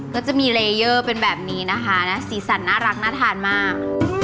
ก็จะมีเลเยอร์เป็นแบบนี้นะคะสีสันน่ารักน่าทานมาก